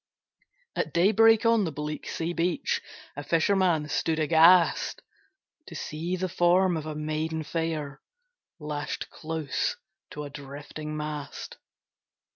At day break, on the bleak sea beach A fisherman stood aghast, To see the form of a maiden fair Lashed close to a drifting mast.